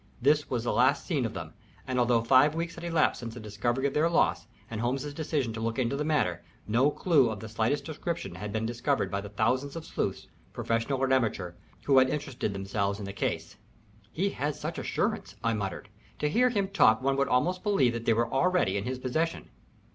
This was the last seen of them, and although five weeks had elapsed since the discovery of their loss and Holmes's decision to look into the matter, no clew of the slightest description had been discovered by the thousands of sleuths, professional or amateur, who had interested themselves in the case. "He had such assurance!" I muttered. "To hear him talk one would almost believe that they were already in his possession."